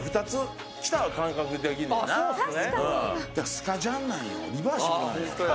スカジャンなんよリバーシブルなんよ。